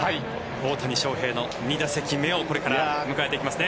大谷翔平の２打席目をこれから迎えていきますね。